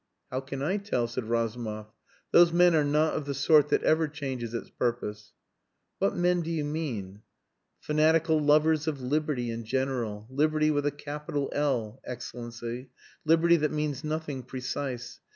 "How can I tell?" said Razumov. "Those men are not of the sort that ever changes its purpose." "What men do you mean?" "Fanatical lovers of liberty in general. Liberty with a capital L, Excellency. Liberty that means nothing precise.